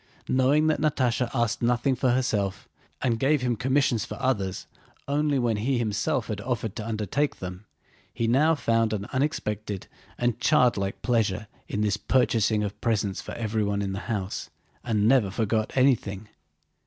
Knowing that Natásha asked nothing for herself, and gave him commissions for others only when he himself had offered to undertake them, he now found an unexpected and childlike pleasure in this purchase of presents for everyone in the house, and never forgot anything.